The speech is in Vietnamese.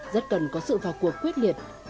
rất cần có sự vào cuộc quyết liệt